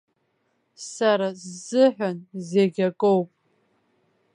Сара сзыҳәан зегь акоуп.